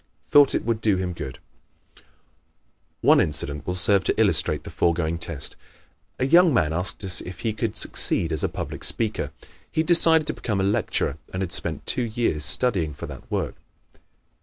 Thought it Would Do Him Good ¶ One incident will serve to illustrate the foregoing test. A young man asked us if he could succeed as a public speaker. He had decided to become a lecturer and had spent two years studying for that work.